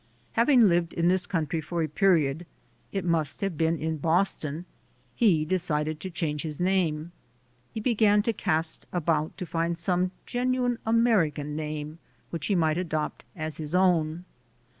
Having lived in this country for a period, it must have been in Boston, he decided to change his name. He began /to cast about to find some genuine American name which he might adopt as his own.